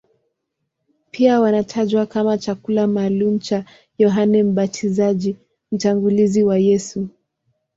Pia wanatajwa kama chakula maalumu cha Yohane Mbatizaji, mtangulizi wa Yesu.